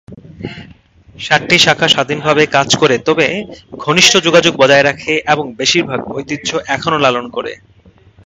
সাতটি শাখা স্বাধীনভাবে কাজ করে তবে ঘনিষ্ঠ যোগাযোগ বজায় রাখে এবং বেশিরভাগ ঐতিহ্য এখনো লালন করে।